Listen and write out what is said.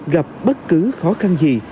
gặp bất cứ khó khăn gì